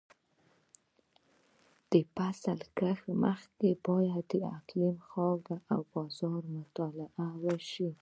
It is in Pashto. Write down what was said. د فصل کښت مخکې باید د اقلیم، خاورې او بازار مطالعه وشي.